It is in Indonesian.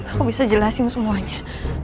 aku bisa jelasin semuanya